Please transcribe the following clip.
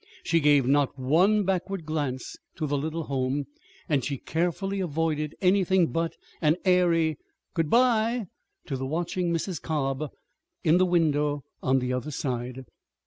She gave not one backward glance to the little home, and she carefully avoided anything but an airy "Good bye" to the watching Mrs. Cobb in the window on the other side.